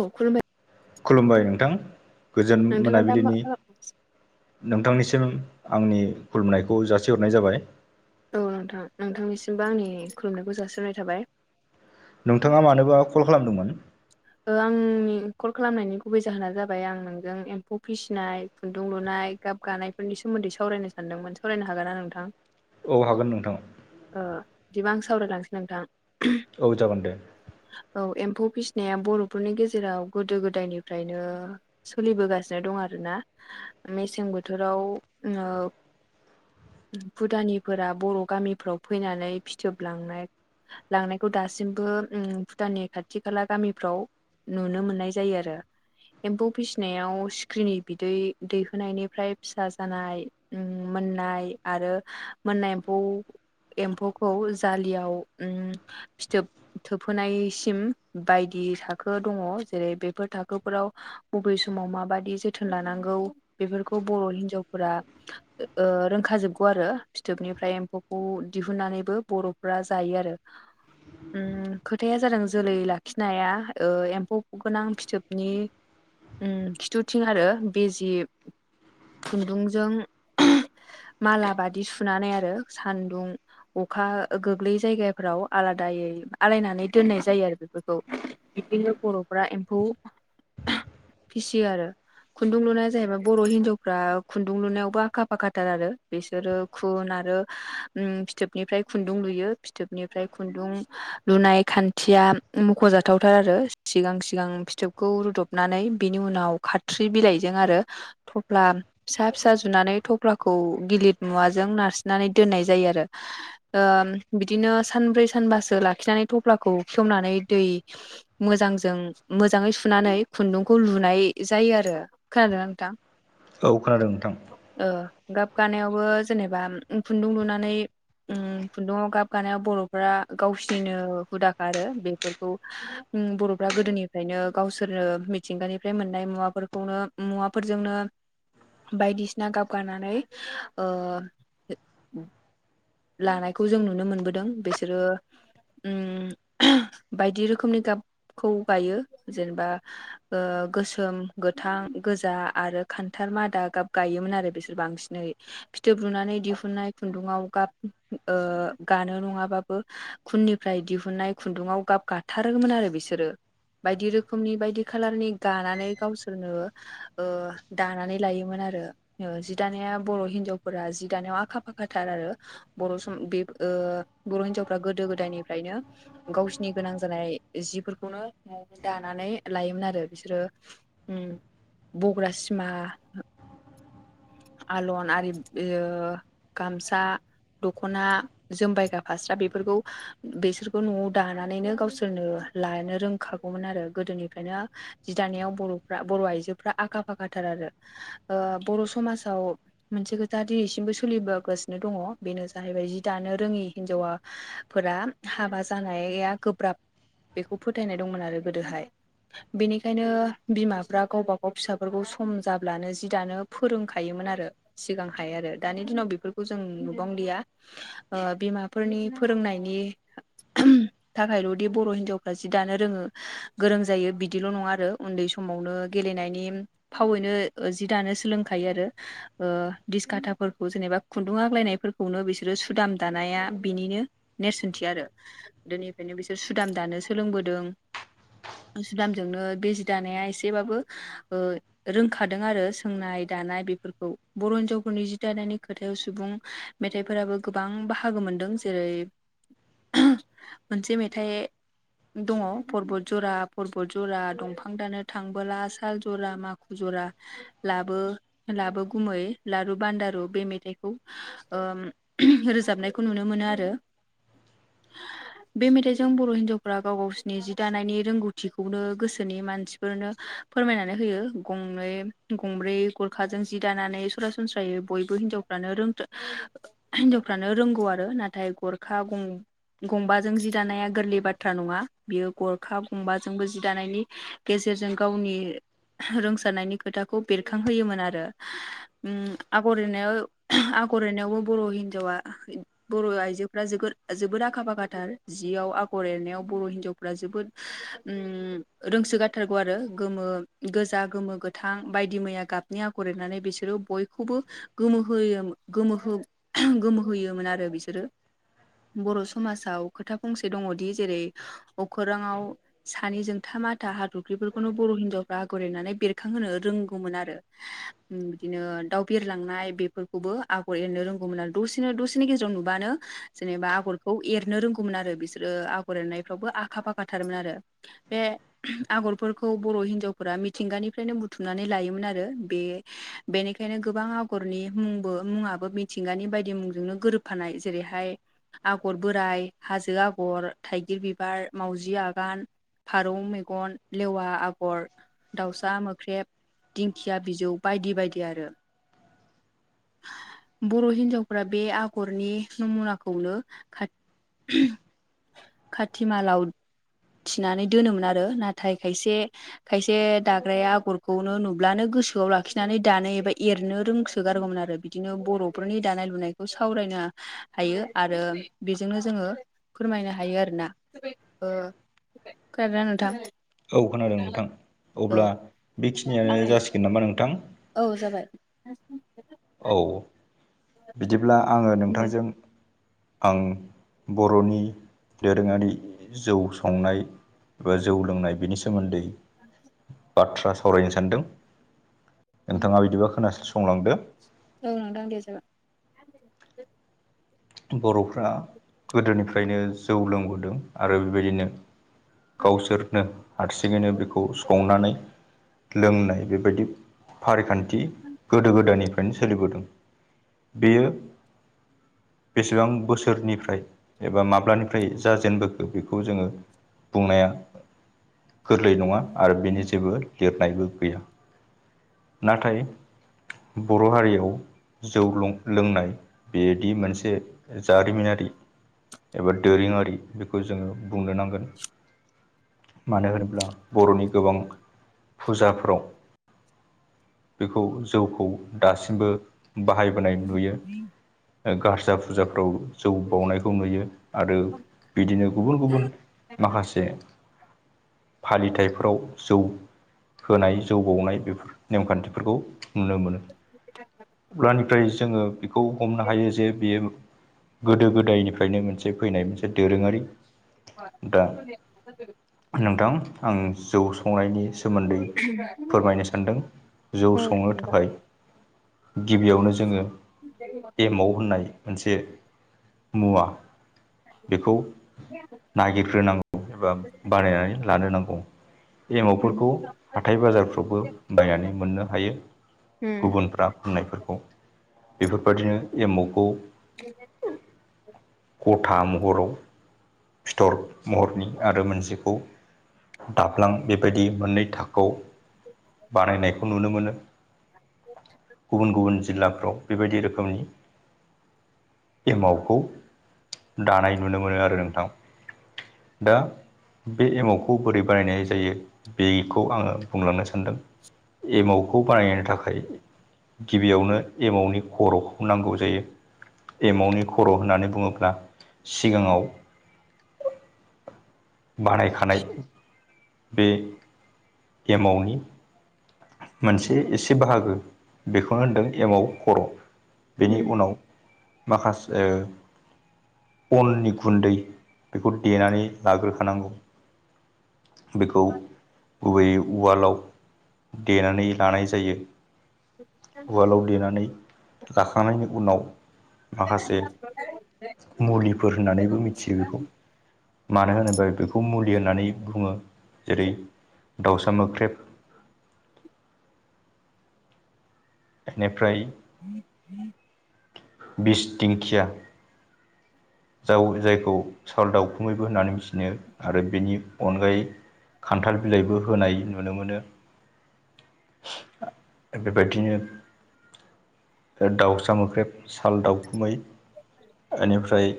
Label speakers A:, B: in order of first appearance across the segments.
A: औ खुलुमबाय
B: खुलुमबाय नोंथां गोजोन
A: नोंथाङा दा मा
B: मोनाबिलिनि
A: खालाम
B: नोंथांनिसिम आंनि खुलुमनायखौ जासिहरनाय जाबाय
A: औ नोंथां नोंथांनिसिमबो आंनि खुलुमनायखौ जासिनाय थाबाय
B: नोंथाङा मानोबा कल खालामदोंमोन
A: आंनि कल खालामनायनि गुबै जाहोना जाबाय आं नोंजों एम्फौ फिसिनाय खुन्दुं लुनाय गाब गानायफोरनि सोमोन्दै सावरायनो सानदोंमोन सावरायनो हागोना नोंथां
B: औ हागोन नोंथां
A: ओ बिदिबा आं सावरायलांसै नोंथां
B: औ जागोन दे
A: औ एम्फौ फि या बर'फोरनि गेजेराव गोदो गोदायनिफ्रायनो सोलिबोगासिनो दं आरोना मेसें बोथोराव ओ भुदानिफोरा बर गामिफ्राव फैनानै फिथोब लांनाय लांनायखौ दासिमबो भुटाननि खाथि खाला गामिफ्राव नुनो मोननाय जायो आरो एम्फौ फिसिनायाव सिख्रिनि बिदै दैहोनायनिफ्राय फिसा जानाय मोननाय आरो मोननाय एम्फौ एम्फौखौ जालियाव ओम फिथोब थोबहोनायसिम बायदि थाखो दङ जेरै बेफोर थाखोफोराव बबे समाव माबादि जोथोन लानांगौ बेफोरखौ बर' हिनजावफोरा ओ रोंखाजोबगौ आरो फिथोबनिफ्राय एम्फौखौ दिहुननानैबो बर फ्रा जायो आरो उम‌ खोथाया जादों जोलै ला खिनाया ओ एम्फौ गोनां फिथोबनि उम खिथुथिं आरो बे जि खुन्दुंजों माला बादि सुनानै आरो सान्दुं अखा गोग्लैै जायगाफोराव आलादायै आलायनानै दोननाय जायो आरो बेख बोखौ इदिनो बर'फ्रा एम्फौ
B: [inaudible]
A: फिसियो आरो। खुन्दुं लुनाया जाहैबाय बर हिन्जावफ्रा खुन्दुं लुनायावबो आखा फाखाथार आरो बिसोरो। खुन आरो उम फिथोबनिफ्राय खुन्दुं लुयो फिथोबनिफ्राय खुन्दुं लुनाय खान्थिया मखजाथावथार आरो सिगां सिगां फिथोबखौ रुदबनानै बिनि उनाव खा थ्रि बिलाइजों आरो थफ्ला फिसा फिसा जुनानै थफ्लाखौ गिलिर मुवाजों नारसिननानै दोननाय जायो आरो। ओम बिदिनो सानब्रै सानबासो लाखिनानै थफ्लाखौ खेवनानै दै मोजांजों मोजांङै सुनानै खुन्दुंखौ लुनाय जायो आरो। खोनादों ना नोंथां?
B: औ खोनादों नोंथां।
A: ओ गाब गानायावबो जेनेबा खुन्दुं लुनानै ओम खुन्दुंङाव गाब गानायाव बर'फोरा गावसोरनिनो हुदाखा आरो बे फोरखौ उम बर'फ्रा गोदोनिफ्रायनो गावसोरनो मिथिंगानिफ्राय मोननाय मुवाफोरखौनो मुवाफोरजोंनो बायदिसिना गाबगानानै ओ लानायखौ जों नुनो मोनबोदों बिसोरो ओम बायदि रोखोमनि गाबखौ गायो जेनेबा ओ गोसोम, गोथां, गोजा आरो खान्थाल मादा गाब गायोमोन आरो बिसो बांसिनै फिथोब बुनानै दिहुननाय खुन्दुंङाव गाब ओ गानो नंङाबाबो खुननिफ्राय दिहुनन्नाय खुन्दुंङाव गाब गाथारोमोन आरो बिसोरो। बायदि रोखोमनि बायदि खालारनि गानानै गावसोरनो ओ दानानै लायोमोन आरो। ओ जि दानाया बर'हिन्जावफोरा जि दानायाव आखा फाखाथार आरो बर' सम बे ओ बर' हिनजावफ्रा गोदो गोदायनिफ्रायनो गावसिनि गोनां जानाय जिफोरखौनो दानानै लायोमोन आरो बिसोरो। ओम बग्रा सिमा आलन आरि ओ गामसा दख'ना जोमबायग्रा फास्रा बेफोरखौ बेसोरखौ नआव दानानैनो गावसोरनो लानो रोंखागौमोन आरो गोदोनिफ्रायनो जि दानायाव बर'फ्रा बर' आइजोफ्रा आखा फाखाथार आरो। ओ बर' समाजाव मोनसे खोथा दिनैसिमबो सोलिबोगासिनो दंङ। बेनो जाहैबाय जि दानो रोङि हिन्जावाफोरा हाबा जानाया गोब्राब बेखौ फोथायनाय दंमोन आरो गोदोहाय बेनिखायनो बिमाफ्रा गावबागाव फिसाफोरखौ सम जाब्लानो जि दानो फोरोंखायोमोन आरो। सिगांहायो आरो दानि दिनाव बेफोरखौ जों नुबांलिया ओ बिमाफोरनि फोरोंनायनि
B: [inaudible]
A: थाखायलदि बर'हिन्जावफ्रा जि दानो रोंङो गोरों जायो बिदिल नंङा आरो उन्दै सम समावनो गेलेनायनि फावैनो ओ जि दानो सोलोंखायो आरो। ओ दिडिसकटाफोरखौ जेनेबा खुन्दुं आग्लायनायफोर खौनो बिसोरो सुदाम दानाया बिनिनो नेरसोनथि आरो। दोनिफायनो बिसोर सुदाम दानो सोलोंबोदों। सुदामजोंनो बे जि दानाया एसेबाबो ओ रोंखादों आरो सोंनाय दानाय बेफोरखौ बर' हिनजावफोरनि जि दानायनि खोथायाव सुबुं मेथाइफोराबो गोबां बाहागो मोनदों जेरै मोनसे मेथाइ दङ परबतजरा परबतजरा दंफां दाननो थांबोला साल जरा माखु जरा लाबो लाबो गुमै लारु बान्दारु बे मेथाइखौ ओम रोजाबनायखौ नुनो मोनो आरो।
B: [inaudible]
A: बे मेथाइजों बर' हिनजावफ्रा गाव गावसिनि जि दानायनि रोंगौथिखौनो गोसोनि मानसि बेफोरनो फोरमायनानै होयो गंनै गंब्रै गरखाजों जि दानानै सरासनस्रायै बयबो हिनजावफ्रानो रोंथो हिन्जावफ्रानो रोंगौ आरो नाथाय गरखा गं गंबाजों जि दानाया गोरलै बाथ्रा नङा बियो गरखा गंबाजोंबो जि दानायनि गेजेरजों गावनि रोंसारनायनि खोथाखौ बेरखांहोयोमोन आरो। उम आगर एरनायाव आगर एरनायावबो बर' हिनजावा बर' आइजोफ्रा जोगोर जोबोद आखा फाखाथार जियाव आगर एरनायाव बर‌' हिनजाव फ्रा जोबोद उम रोंसोगारथारगौ आरो गोमो गोजा गोमो गो थां बायदि मैया गाबनि आगर एरनानै बिसोरो बयखौबो गोमोहोयो गोमोहोब गोमोहोयोमोन आरो बिसोरो। बर' समाजाव खोथा फंसे दङदि जेरै अखोराङाव सानि जोंथा माथा हाथरखिफोरखौनो बर' हिनजावफ्रा आगर एरनानै बेरखांहोनो रोंगौमोन आरो उम बिदिनो दाउ बिरलांनाय बेफोरखौबो आगर एरनो रोंगौमोन आरो दसेनो दसेनि गेजेराव नुबानो जेनोबा आगरखौ एरनो रोंगौमोन आरो बिसोरो आ गर एरनायफ्रावबो आखा फाखाथारमोन आरो बे आगरफोरखौ बर' हिनजावफोरा मिथिंगानिफ्रायनो बुथुमनानै लायोमोन आरो बे बेनिखायनो गोबां आगरनि मुंबो मुुंङाबो मिथिंगानि बायदि मुंजोंनो गोरोबफानाय जेरैहाय आगर बोराइ, हाजो आगर, थाइगिर बिबार, मावजि आगान, फारौ मेगन, लेवा आगर, दाउसा मोख्रेब, दिंखिया बिजौ बायदि बायदि आरो। बर' हिनजावफ्रा बे आगरनि नमुनाखौनो खा खाथिमालाव थिनानै दोनोमोन आरो नाथाय खायसे खायसे दाग्राया आगरखौनो नुब्लानो गोसो खौयाव लाखिनानै दानो एबा एरनो रोंसोगारगौमोन आरो बि बिदिनो बर'फोरनि दानाय लुनायखौ सावरायनो हायो आरो बेजोंनो जोङो फोरमायनो हायो आरोना। ओ खोनादों ना नोंथां?
B: औ खोनादों नोंथां
A: ओ
B: अब्ला बेखिनियानो जासिगोन नामा नोंथां?
A: औ जाबाय।
B: औ बिदिब्ला आङो नोंथांजों आं बर'नि दोरोङारि जौ संनाय बो जौ लोंनाय बिनि सोमोन्दै
A: [unintelligible]
B: बाथ्रा सावरायनो सानदों, नोंथाङा बिदिबा खोनासंलांदो।
A: ओं नोंथां दे जागोन। [unintelligible]
B: बर'फ्रा गोदोनिफ्रायनो जौ लोंबोदों आरो बेबायदिनो
A: जाबाय
B: गावसोरनो हारसिङैनो बेखौ संनानै लोंनाय बेबायदि फारिखान्थि गोदो गोदायनि फ्रायनो सोलिबोदों बेयो बेसेबां बोसोरनिफ्राय एबा माब्लानिफ्राय जाजेनबोखो बेखौ जोङो बुंनाया गोरलै नङा आरो बिनि जेबो लिरनायबो गैया। नाथाय बर' हारियाव जौ लं-लोंनाय बेदि मोनसे जे जारिमिनारि एबा दोरोङारि बेखौ जोङो बुंनो नांगोन। मानो होनोब्ला बर'नि गोबां फुजाफोराव बेखौ जौखौ दासिमबो बाहायबोनाय नुयो ओ गार जा फुजाफ्राव जौ बावनायखौ नुयो आरो बिदिनो गुबुन गुबुन माखासे फालिथायाइफोराव जौ होनाय जौ बावनाय बेफोर नेमखान्थिफोरखौ नुनो मोनो।
A: [unintelligible]
B: अब्लानिफ्राय जोङो बेखौ हमनो हायो जे बेयो गोदो गोदायनिफ्रायनो मोनसे से फैनाय मोनसे दोरोङारि दा नोंथां आं जौ संनायनि सो सोमोन्दै फोरमायनो सानदों जौ संनो थाखाय गिबियावनो जोङो एमाव होननाय मोनसे मुवा बेखौ नागिरग्रोनांगौ एबा बानायनानै लानो नांगौ एमावफोरखौ हाथाय बाजारफ्रावबो बायनानै मोननो हायो। गुबुनफ्रा फाननायफोरखौ बेफोरबादिनो एमावखौ
A: बे [inaudible]
B: गथा महराव फिथर महरनि आरो मोनसेखौ दाब्लां बेबायदि मोननै थाखोआव बानायनायखौ नुनो मोनो गुबुन गुबुन जिल्लाफ्राव बेबायदि रोखोमनि एमावखौ दानाय नुनो मोनो आरो नोंथां दा बे एमावखौ बोरै बानायनाय जायो बेखौ आङो बुंलांनो सानदों। एमावखौ बानायनो थाखाय गिबियावनो एमावनि खर'खौबो नांगौ जायो एमावनि खर' होननानै बुङोब्ला सिगाङाव बानायखानाय बे एमावनि मोनसे एसे बाहागो बेखौनो होनदों एमाव खर' बेनि उनाव माखास ओ अननि गुन्दै बेखौ देनानै लाग्रोखानांगौ बेखौ गुबैयै उवालाव देनानै लानाय जायो। उवालाव देनानै लाखांनायनि उनाव माखासे मुलिफोर होननानैबो मिथियो बेखौ। मानो होनोबा बेखौ मुलि होननानै बुङो जेरै- दाउसा मोख्रेब एनिफ्राय
A: उम
B: बिस दिंखिया जाव जायखौ साल दाउखुमैबो होननानै मोनथिनो आरो बेनि अनगायै खान्थाल बिलाइबो होनाय नुनो मोनो। बेबायदिनो दाउसा मोख्रेब साल दाउखुमै एनिफ्राय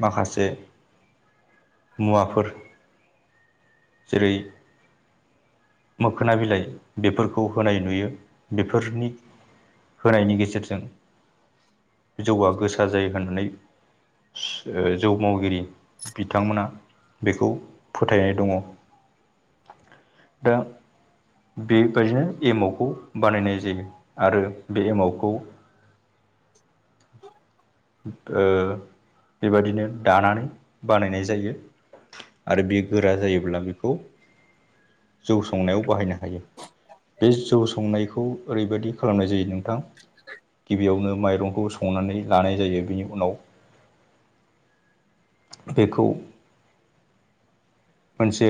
B: माखासे मुवाफोर जेरै- मोखोना बिलाइ बेफोरखौ होनाय नुयो बेफोरनि होनायनि गेजेरजों जौआ गोसा जायो होननानै सु ओ जौ मावगिरि बिथांमोना बेखौ फोथायनाय दङ। दा बे बायदिनो एमावखौ बानायनाय जायो आरो बे एमावखौ
A: [unintelligible]
B: ओ बेबादिनो दानानै बानायनाय जायो आरो बियो गोरा जायोब्ला बेखौ जौ संनायाव बाहायनो हायो बे जौ संनायखौ ओरैबायदि खालामनाय जायो नोंथां गिबियावनो माइरंखौ संनानै लानाय जायो बिनि उनाव बेखौ मोनसे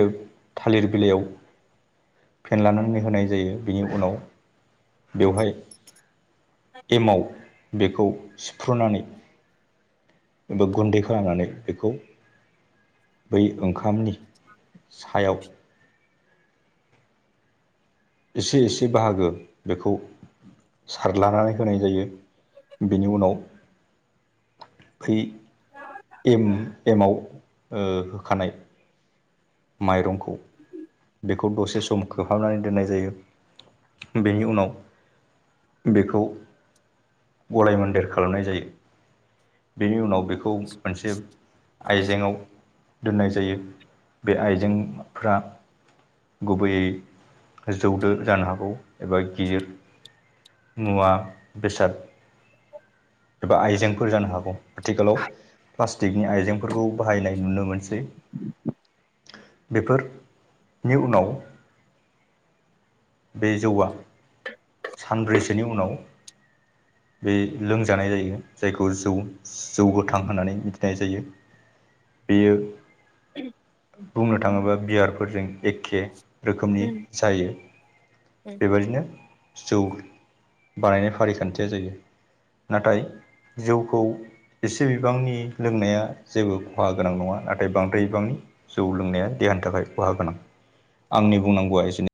B: थालिर बिलाइयाव फेनलानानै होनाय जायो बिनि उनाव बेवहाय एमाव बेखौ सिफ्रुनानै एबा गुन्दै खालामनानै बेखौ बै ओंखामनि
A: [inaudible]
B: सायाव एसे एसे बाहागो बेखौ सारलानानै होनाय जायो बिनि उनाव फै एम-एमाव ओ होखानाय माइरंखौ बेखौ दसे सम खोबहाबनानै दोननाय जायो बेनि उनाव बेखौ गलायमोन्देर खालामनाय जायो बेनि उनाव बेखौ मोनसे आयजेेंआव दोननाय जायो बे आइजेंफ्रा गुबैयै जौ दो जानो हागौ एबा गिदिर मुवा बेसाद एबा आइजेंफोर जानो हागौ आथिखालाव प्लास्टिकनि आयजेंफोरखौ बाहायनाय नुनो मोनसै बेफोरनि उनाव बे जौआ सानब्रैसोनि उनाव बे लोंजानाय जायो जायखौ जौ जौ गोथां होननानै मिथिनाय जायो बेयो
A: [unintelligible]
B: बुंनो थाङोबा बियारफोरजों एखे रोखोमनि जायो बेबायदिनो जौ बानायनाय फारिखान्थिया जायो नाथाय जौखौ एसे बिबांनि लोंनाया जेबो खहा गोनां नङा नाथाय बांद्राय बिबांनि जौ लोंनाया देहानि थाखाय खहा गोनां आंनि बुंनांगौआ एसेनो